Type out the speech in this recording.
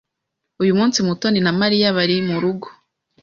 Uyu munsi Mutoni na Mariya bari murugo.